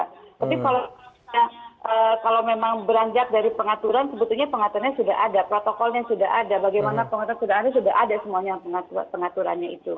tapi kalau memang beranjak dari pengaturan sebetulnya pengaturannya sudah ada protokolnya sudah ada bagaimana pengaturan sudah ada sudah ada semuanya pengaturannya itu